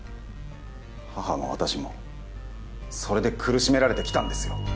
母も私もそれで苦しめられてきたんですよ